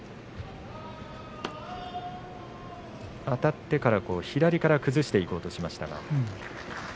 あたってから左から崩そうとしましたが。